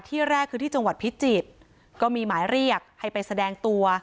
แรกคือที่จังหวัดพิจิตรก็มีหมายเรียกให้ไปแสดงตัว